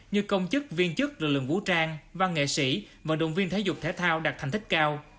như công chức viên chức lực lượng vũ trang văn nghệ sĩ vận động viên thể dục thể thao đạt thành tích cao